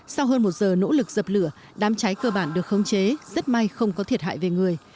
sau hơn một giờ nỗ lực dập lửa đám cháy cơ bản được không chế rất may không có thiệt hại về người